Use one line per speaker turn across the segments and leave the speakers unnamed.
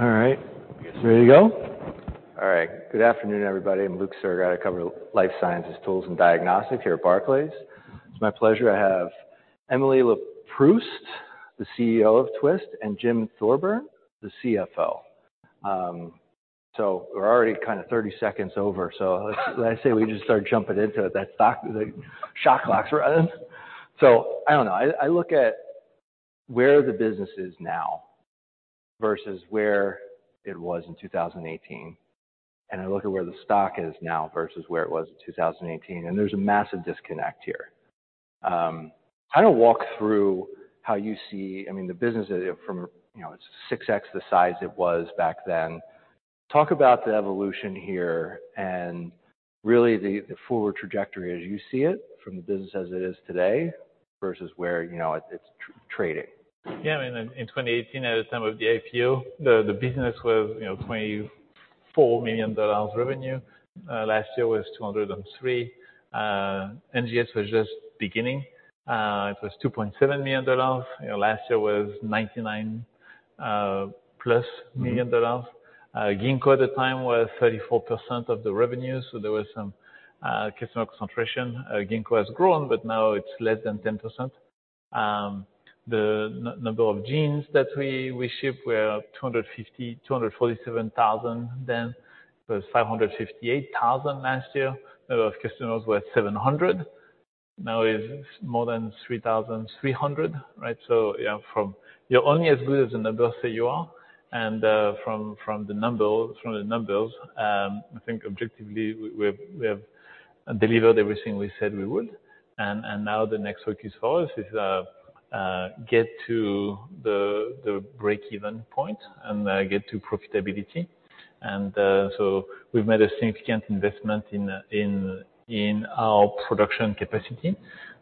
All right. Good afternoon, everybody. I'm Luke Sergott, I cover life sciences, tools, and diagnostic here at Barclays. It's my pleasure to have Emily Leproust, the CEO of Twist, and Jim Thorburn, the CFO. We're already kind of 30 seconds over, I say we just start jumping into it. That stock, the shot clock's running. I don't know. I look at where the business is now versus where it was in 2018, and I look at where the stock is now versus where it was in 2018, and there's a massive disconnect here. Kind of walk through how you see. I mean, the business is from, you know, it's 6x the size it was back then. Talk about the evolution here and really the forward trajectory as you see it from the business as it is today versus where, it's trading.
I mean, in 2018 at the time of the IPO, the business was, you know, $24 million revenue. Last year was 203. NGS was just beginning. It was $2.7 million. You know, last year was $99 plus million. Ginkgo at the time was 34% of the revenue, there was some customer concentration. Ginkgo has grown, but now it's less than 10%. The number of genes that we ship were 250, 247,000 then. It was 558,000 last year. Number of customers were 700. Now, it's more than 3,300, right? from You're only as good as the numbers say you are, and from the numbers, I think objectively, we've, we have delivered everything we said we would. Now the next focus for us is get to the breakeven point and get to profitability. We've made a significant investment in our production capacity.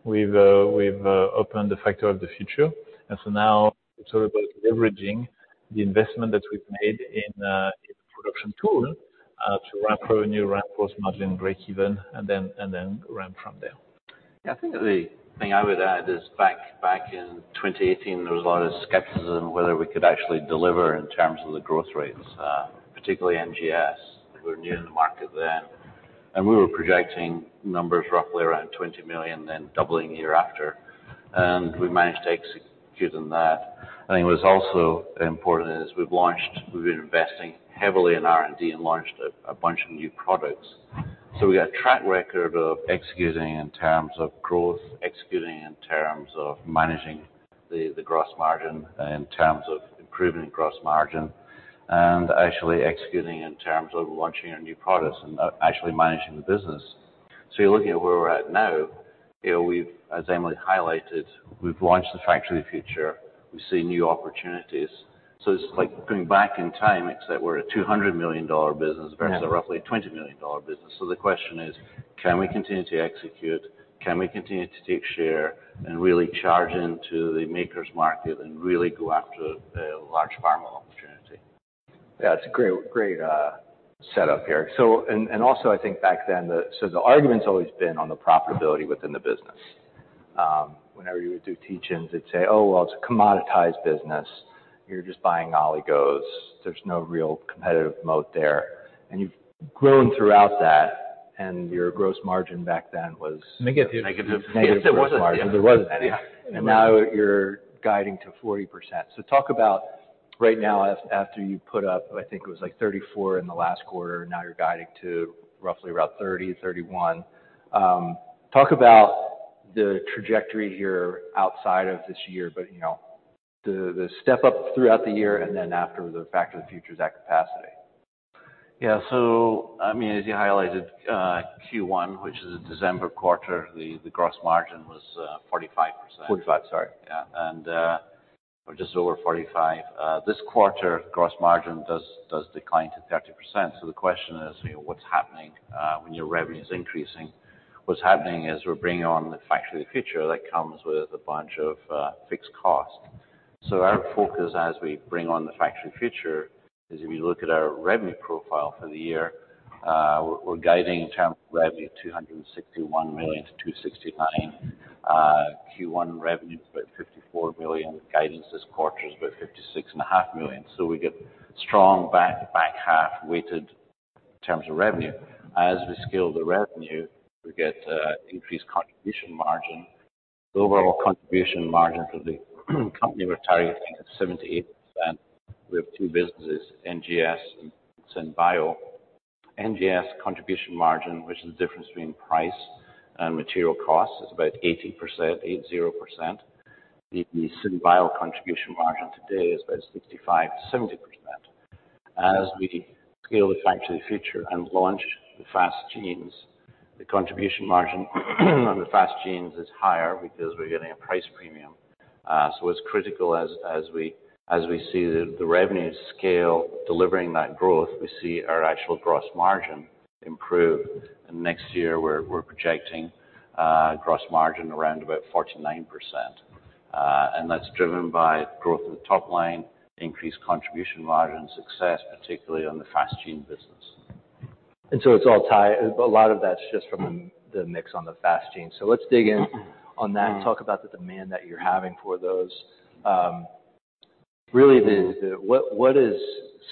We've opened the Factory of the Future. Now it's all about leveraging the investment that we've made in the production tool, to ramp revenue, ramp gross margin, breakeven, and then ramp from there.
I think the thing I would add is back in 2018, there was a lot of skepticism whether we could actually deliver in terms of the growth rates, particularly NGS. We were new in the market then, we were projecting numbers roughly around $20 million, then doubling year after. We managed to execute on that. I think what's also important is we've been investing heavily in R&D and launched a bunch of new products. We got track record of executing in terms of growth, executing in terms of managing the gross margin, in terms of improving gross margin, and actually executing in terms of launching our new products and actually managing the business. You're looking at where we're at now, you know, as Emily Leproust highlighted, we've launched the Factory of the Future. We see new opportunities. It's like going back in time, except we're a $200 million business. Versus a roughly $20 million business. The question is, can we continue to execute? Can we continue to take share and really charge into the maker-it market and really go after the large pharma opportunity?
It's a great setup here. The argument's always been on the profitability within the business. Whenever you would do teach-ins, they'd say, "Oh, well, it's a commoditized business. You're just buying oligos. There's no real competitive moat there." You've grown throughout that, and your gross margin back then was...
Negative.
Negative.
Yes, it was.
There was.
Now you're guiding to 40%. Talk about right now after you put up, I think it was like 34 in the last quarter, now you're guiding to roughly around 30, 31. Talk about the trajectory here outside of this year, but, you know, the step up throughout the year and then after the Factory of the Future is at capacity.
As you highlighted, Q1, which is a December quarter, the gross margin was 45%. Or just over 45. This quarter, gross margin does decline to 30%. The question is, you know, what's happening when your revenue is increasing? What's happening is we're bringing on the Factory of the Future that comes with a bunch of fixed costs. Our focus as we bring on the Factory of Future is if you look at our revenue profile for the year, we're guiding in terms of revenue at $261 million to $269 million. Q1 revenue is about $54 million. The guidance this quarter is about $56.5 million. We get strong back half weighted in terms of revenue. As we scale the revenue, we get increased contribution margin. The overall contribution margin for the company we're targeting is 78%. We have two businesses, NGS and SynBio. NGS contribution margin, which is the difference between price and material costs, is about 80%. The SynBio contribution margin today is about 65% to 70%. As we scale the Factory of the Future and launch the Express Genes, the contribution margin on the Express Genes is higher because we're getting a price premium. What's critical as we see the revenue scale delivering that growth, we see our actual gross margin improve. Next year, we're projecting gross margin around about 49%. That's driven by growth in the top line, increased contribution margin success, particularly on the Express Genes business.
It's all tied. A lot of that's just from the mix on the fast gene. Let's dig in on that and talk about the demand that you're having for those. Really, what is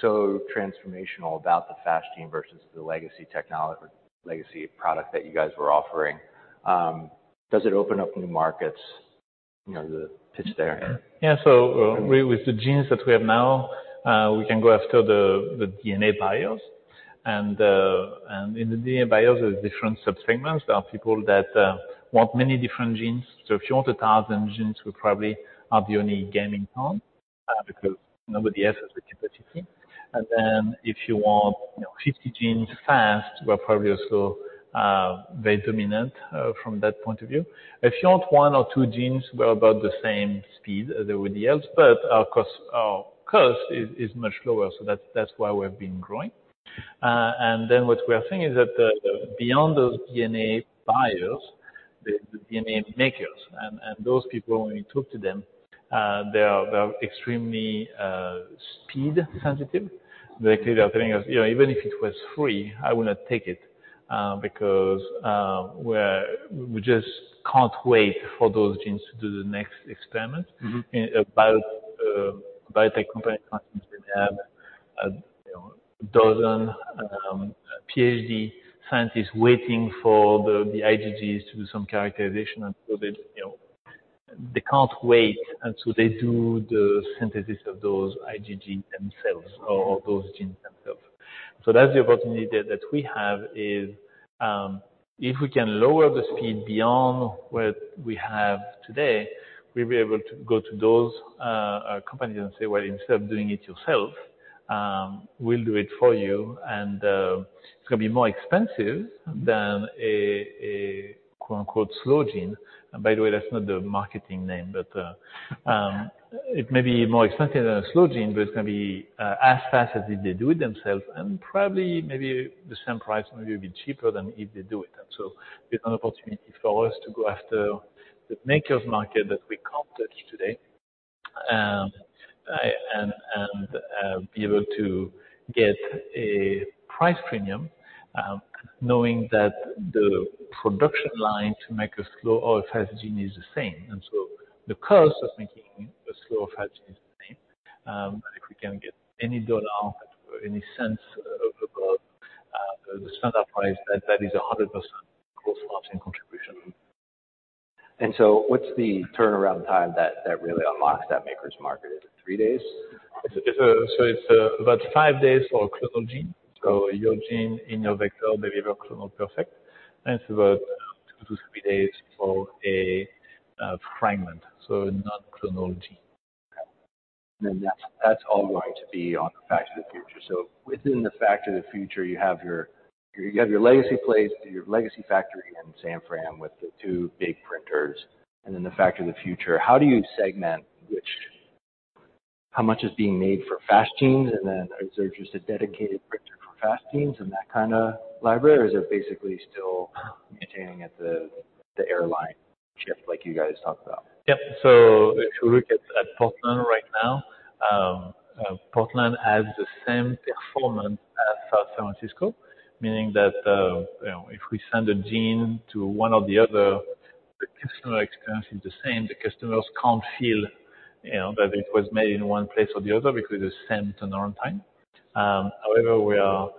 so transformational about the fast gene versus the legacy product that you guys were offering? Does it open up new markets? You know, the pitch there.
With the genes that we have now, we can go after the DNA buyers and in the DNA buyers, there's different subsegments. There are people that want many different genes. If you want 1,000 genes, we probably are the only game in town, because nobody else has the capacity. Then if you want, you know, 50 genes fast, we're probably also very dominant from that point of view. If you want one or two genes, we're about the same speed as everybody else, but our cost is much lower. That's, that's why we've been growing. Then what we are seeing is that, beyond those DNA buyers, the DNA makers and those people, when we talk to them, they are extremely speed sensitive. They clearly are telling us, "You know, even if it was free, I would not take it, because we just can't wait for those genes to do the next experiment. In a biotech company can't seem to have, you know, 12 PhD scientists waiting for the IgGs to do some characterization until they, you know. They can't wait until they do the synthesis of those IgG themselves or those genes themselves. That's the opportunity that we have, is, if we can lower the speed beyond what we have today, we'll be able to go to those companies and say, "Well, instead of doing it yourself, we'll do it for you." It's going to be more expensive than a quote-unquote slow gene. By the way, that's not the marketing name, but, it may be more expensive than a slow gene, but it's going to be as fast as if they do it themselves and probably maybe the same price, maybe a bit cheaper than if they do it. It's an opportunity for us to go after the makers market that we can't touch today, and be able to get a price premium, knowing that the production line to make a slow or a fast gene is the same. The cost of making a slow or fast gene is the same. If we can get any dollar or any cents of the standard price, that is a 100% gross margin contribution.
What's the turnaround time that really unlocks that makers market? Is it 3 days?
It's about 5 days for a clonal gene. Your gene in your vector, maybe your clonal perfect. It's about 2-3 days for a fragment, so not clonal gene.
That's all going to be on the Factory of the Future. Within the Factory of the Future, you have your legacy place, your legacy factory in San Fran with the two big printers, and then the Factory of the Future. How do you segment how much is being made for fast genes, and then is there just a dedicated printer for fast genes in that kind of library? Is it basically still maintaining at the airline shift like you guys talked about?
If you look at Portland right now, Portland has the same performance as San Francisco, meaning that, you know, if we send a gene to one or the other, the customer experience is the same. The customers can't feel, you know, that it was made in one place or the other because it's the same turnaround time. However, we are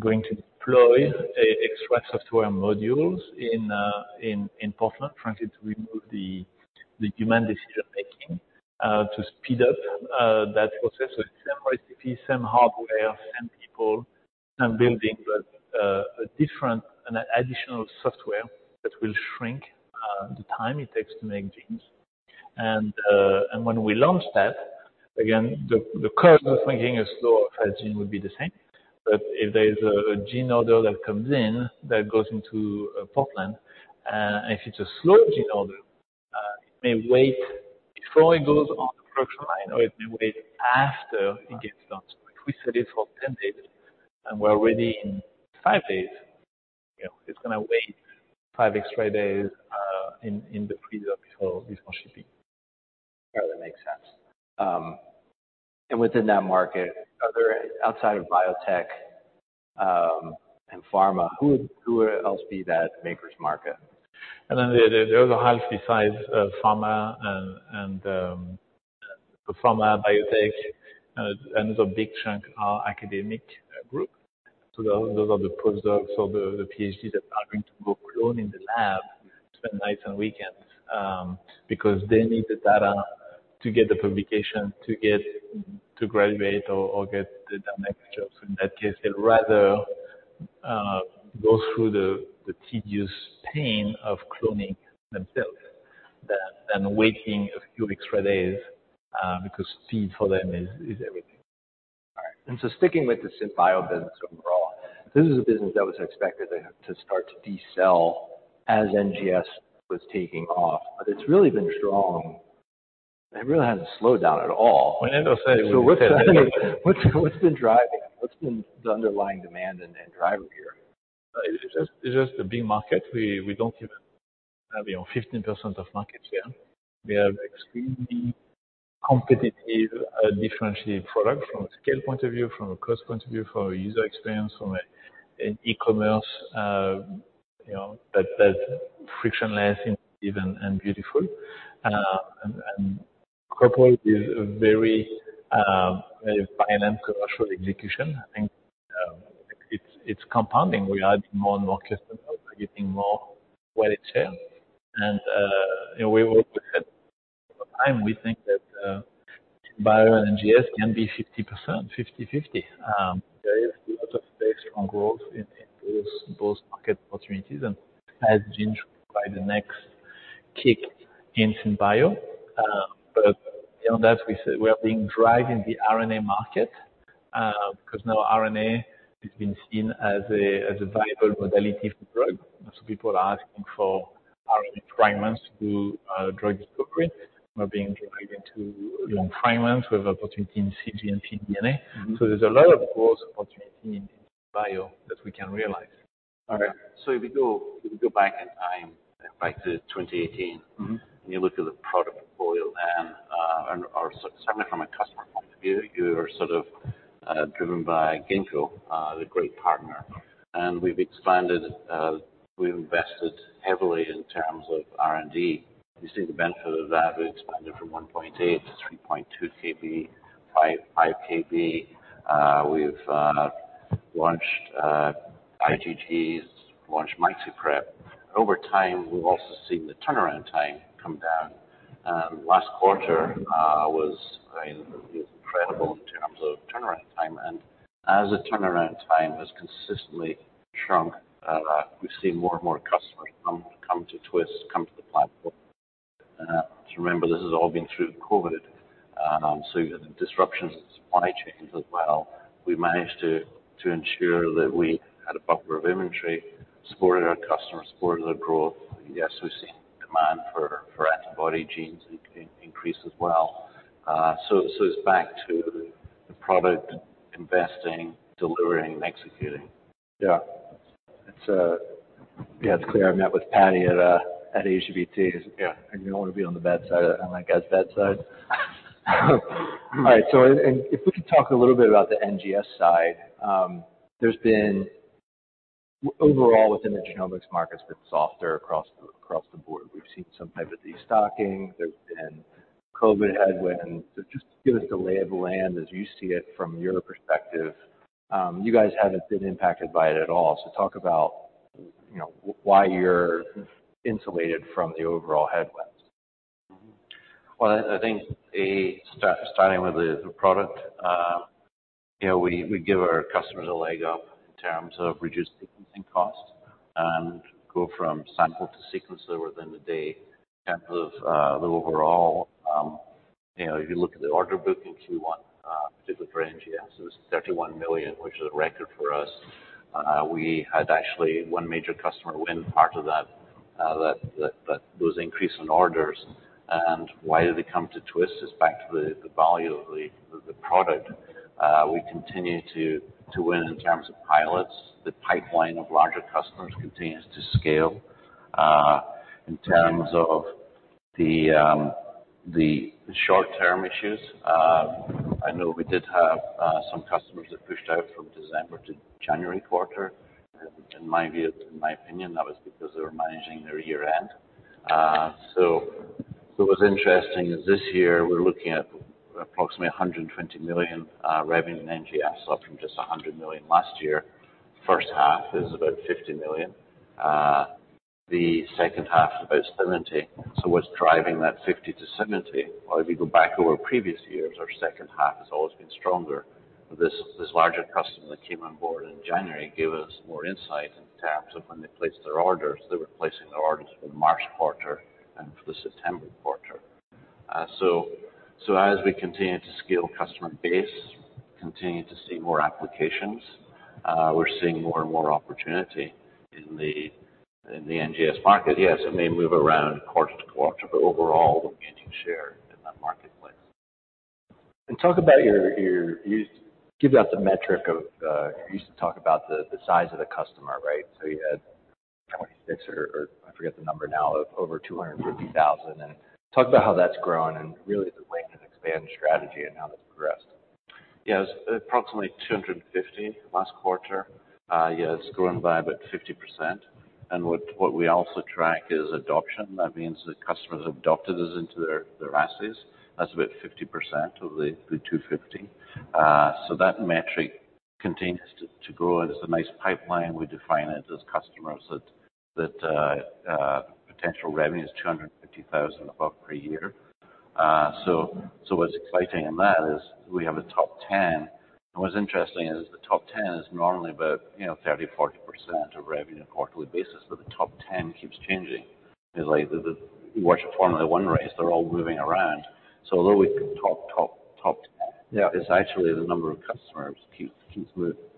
going to deploy a extra software modules in Portland, frankly, to remove the human decision making, to speed up that process. It's same recipe, same hardware, same people, same building, but a different and additional software that will shrink the time it takes to make genes. When we launch that, again, the cost of making a slow or fast gene would be the same. If there's a gene order that comes in that goes into Portland, and if it's a slow gene order, it may wait before it goes on the production line, or it may wait after it gets done. If we set it for 10 days and we're ready in five days, you know, it's gonna wait five extra days in the freezer before shipping.
Totally makes sense. Within that market, outside of biotech and pharma, who would else be that makers market?
The other half besides pharma and so pharma, biotech, another big chunk are academic group. Those are the postdocs or the PhDs that are going to go clone in the lab, spend nights and weekends, because they need the data to get the publication, to get to graduate or get their next job. In that case, they'd rather go through the tedious pain of cloning themselves than waiting a few extra days, because speed for them is everything.
Sticking with the SynBio business overall, this is a business that was expected to start to decel as NGS was taking off. It's really been strong. It really hasn't slowed down at all. What's been driving it? What's been the underlying demand and driver here?
It's just a big market. We don't even have beyond 15% of market share. We have extremely competitive, differentiated product from a scale point of view, from a cost point of view, from a user experience, from an e-commerce, you know, that's frictionless, intuitive, and beautiful. Corporate is a very, very finance commercial execution. I think, it's compounding. We are adding more and more customers, we're getting more wallet share and, you know, we work with that over time. We think that, Synbio and NGS can be 50-50. There is a lot of space for growth in those market opportunities and has been by the next kick in SynBio. Beyond that we said we are being driven the RNA market, 'cause now RNA has been seen as a, as a viable modality for drug. People are asking for RNA fragments to drug discovery. We're being driven to long fragments. We have opportunity in CG and cDNA. There's a lot of growth opportunity in bio that we can realize.
All right.
if you go back in time, back to 2018 you look at the product portfolio and or certainly from a customer point of view, you are sort of driven by Ginkgo, the great partner. We've expanded, we've invested heavily in terms of R&D. You see the benefit of that. We've expanded from 1.8 to 3.2 KB, 5 KB. We've launched IGGs, launched MiTUprep. Over time, we've also seen the turnaround time come down and last quarter was, I mean, it was incredible in terms of turnaround time. As the turnaround time has consistently shrunk, we've seen more and more customers come to Twist, come to the platform. Remember this has all been through COVID and, so the disruptions in supply chains as well, we managed to ensure that we had a buffer of inventory, supported our customers, supported their growth. Yes, we've seen demand for antibody genes increase as well. So it's back to the product investing, delivering, and executing.
It's clear I've met with Paddy at HBVT. You don't wanna be on the bad side of that on that guy's bad side. All right. If we could talk a little bit about the NGS side. There's been. Overall within the genomics market's been softer across the board. We've seen some type of destocking. There's been COVID headwind, just give us the lay of the land as you see it from your perspective. You guys haven't been impacted by it at all, so talk about, you know, why you're insulated from the overall headwinds.
Well, I think starting with the product, you know, we give our customers a leg up in terms of reduced sequencing costs and go from sample to sequencer within the day. In terms of the overall, you know, if you look at the order book in Q1, particularly for NGS, it was $31 million, which is a record for us. We had actually one major customer win part of those increase in orders. Why did they come to Twist? Is back to the value of the product. We continue to win in terms of pilots. The pipeline of larger customers continues to scale. In terms of the short-term issues, I know we did have some customers that pushed out from December to January quarter. In my opinion, that was because they were managing their year-end. What was interesting is this year we're looking at approximately $120 million revenue in NGS up from just $100 million last year. First half is about $50 million, the second half is about $70 million. What's driving that $50 million to $70 million? Well, if you go back over previous years, our second half has always been stronger. This larger customer that came on board in January gave us more insight in terms of when they placed their orders, they were placing their orders for the March quarter and for the September quarter. As we continue to scale customer base, continue to see more applications, we're seeing more and more opportunity in the NGS market. It may move around quarter to quarter, but overall we're gaining share in that marketplace.
Talk about your, you give out the metric of. You used to talk about the size of the customer, right? You had 26 or I forget the number now, of over 250,000. Talk about how that's grown and really the way you've expanded the strategy and how that's progressed.
Yes. Approximately 250 last quarter. Yeah, it's grown by about 50%. What we also track is adoption. That means that customers have adopted us into their assays. That's about 50% of the 250. So that metric continues to grow. There's a nice pipeline. We define it as customers that potential revenue is $250,000 above per year. So what's exciting in that is we have a top 10. What's interesting is the top 10 is normally about, you know, 30%, 40% of revenue on a quarterly basis, the top 10 keeps changing. It's like the... You watch a Formula One race, they're all moving around. Although we top ten- It's actually the number of customers keeps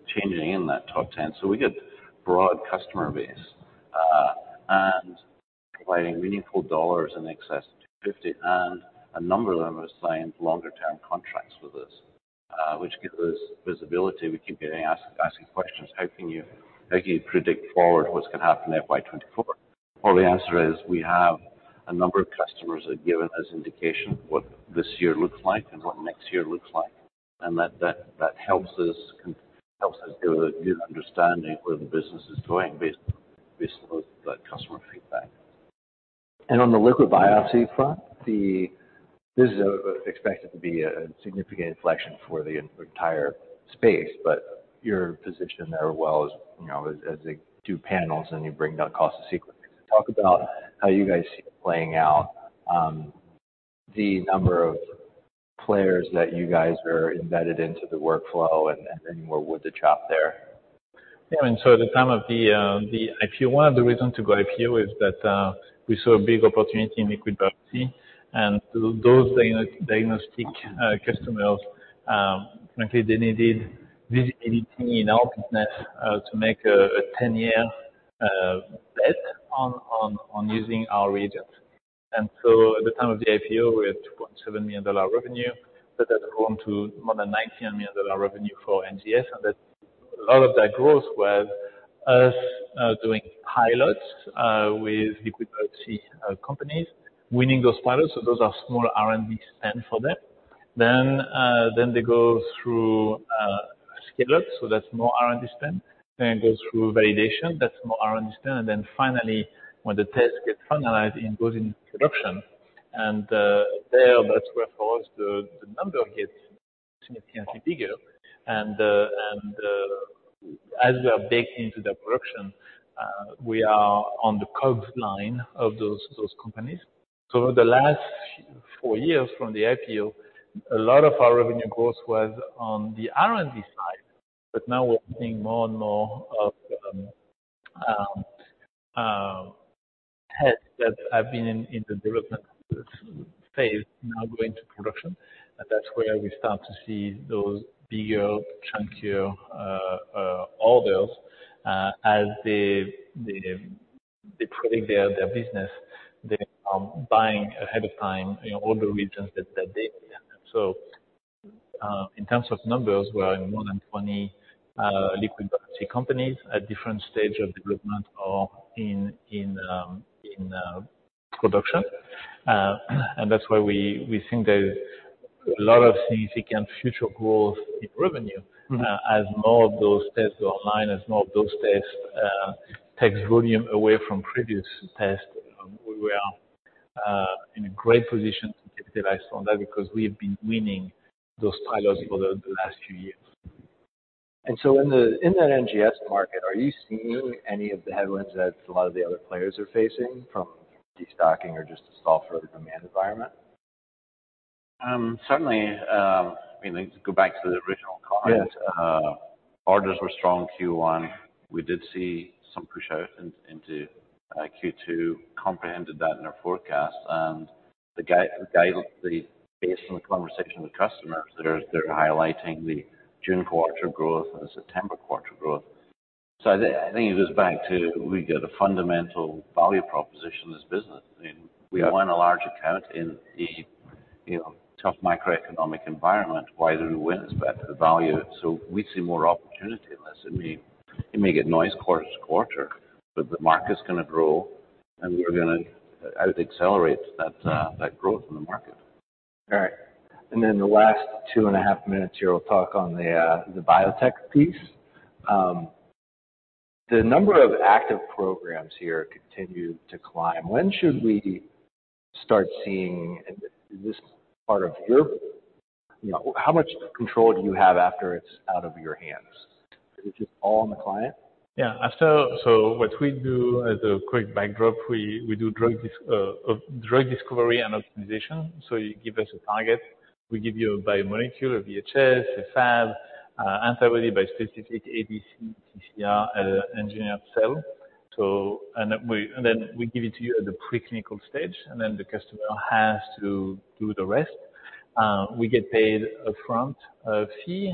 changing in that top 10. We get broad customer base and providing meaningful dollars in excess of $250, and a number of them are signed longer term contracts with us, which gives us visibility. We keep asking questions. How can you, how can you predict forward what's gonna happen FY24? The answer is we have a number of customers that have given us indication what this year looks like and what next year looks like. That helps us give a good understanding where the business is going based on those that customer feedback.
On the liquid biopsy front, this is expected to be a significant inflection for the entire space. Your position there, well, as, you know, as they do panels and you bring down cost of sequencing. Talk about how you guys see it playing out. The number of players that you guys are embedded into the workflow and then where would the chop there?
At the time, one of the reasons to go IPO is that we saw a big opportunity in liquid biopsy. Those diagnostic customers, frankly, they needed visibility in our business to make a 10-year bet on using our reagents. At the time of the IPO, we had $2.7 million revenue. That had grown to more than $19 million revenue for NGS. That a lot of that growth was us doing pilots with liquid biopsy companies. Winning those pilots, so those are small R&D spend for them. They go through scale-up, so that's more R&D spend. Goes through validation, that's more R&D spend. Then finally, when the test gets finalized and goes into production, there that's where for us the number gets significantly bigger. As we are baked into their production, we are on the COGS line of those companies. Over the last 4 years from the IPO, a lot of our revenue growth was on the R&D side. Now we're seeing more and more of tests that have been in the development phase now going to production. That's where we start to see those bigger, chunkier orders as they predict their business. They are buying ahead of time, you know, all the reagents that they need. In terms of numbers, we're in more than 20 liquid biopsy companies at different stage of development or in production. That's why we think there's a lot of significant future growth in revenue. As more of those tests go online, as more of those tests, takes volume away from previous tests. We are in a great position to capitalize on that because we've been winning those pilots for the last few years.
In that NGS market, are you seeing any of the headwinds that a lot of the other players are facing from destocking or just a softer demand environment?
certainly, I mean, to go back to the original comment.
Yes.
orders were strong Q1. We did see some pushout into Q2, comprehended that in our forecast. The guidance really based on the conversation with customers that are highlighting the June quarter growth and the September quarter growth. I think it goes back to we've got a fundamental value proposition in this business. I mean we won a large account in a, you know, tough macroeconomic environment. Why do we win? It's back to the value. We see more opportunity in this. It may get noise quarter to quarter, the market's gonna grow, and we're gonna outaccelerate that growth in the market.
All right. The last two and a half minutes here, we'll talk on the biotech piece. The number of active programs here continue to climb. When should we start seeing. Is this part of your. How much control do you have after it's out of your hands? Is it just all on the client?
What we do as a quick backdrop, we do drug discovery and optimization. You give us a target, we give you a biomolecule, a VHH, a FAB, antibody bispecific ABC TCR, engineered cell. We give it to you at the preclinical stage, the customer has to do the rest. We get paid upfront a fee,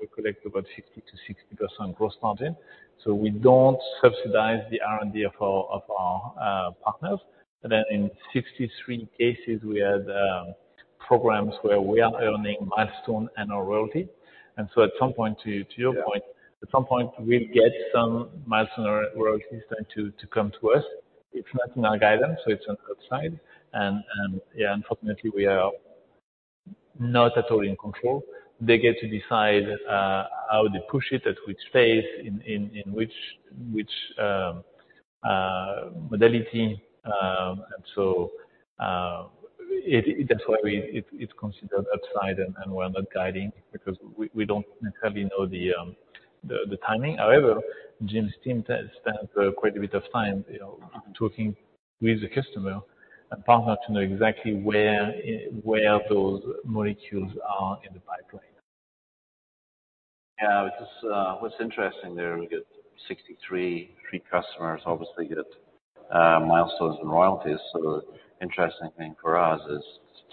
we collect about 60% gross margin. We don't subsidize the R&D of our partners. In 63 cases, we had programs where we are earning milestone and/or royalty. At some point, to your point at some point, we'll get some milestone or royalties then to come to us. It's not in our guidance, so it's on upside. Unfortunately, we are not at all in control. They get to decide how they push it, at which phase, in which modality. It's considered upside and we're not guiding because we don't necessarily know the timing. However, Jim's team has spent quite a bit of time, you know, talking with the customer and partner to know exactly where those molecules are in the pipeline.
What's interesting there, we get 63 customers obviously get milestones and royalties. The interesting thing for us is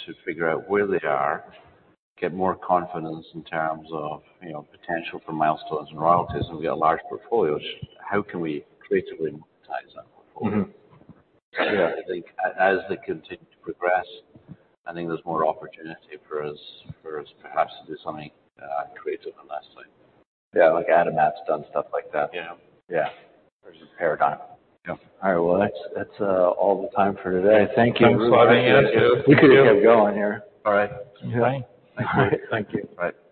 to figure out where they are, get more confidence in terms of you know potential for milestones and royalties. We've got large portfolios. How can we creatively monetize that portfolio?
Sure.
I think as they continue to progress, I think there's more opportunity for us perhaps to do something creative on that side. Like Adimab's done stuff like that. Versus Verily.
All right. Well, that's all the time for today. Thank you.
Thanks a lot. You too. Thank you.
We could keep going here.
All right.
Bye.
Thank you. Thank you.
Bye.
Bye.